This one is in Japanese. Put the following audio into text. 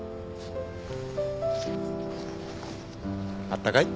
あったかい？